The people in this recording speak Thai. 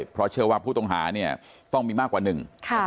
เพราะเชื่อว่าผู้ต้องหาเนี่ยต้องมีมากกว่าหนึ่ง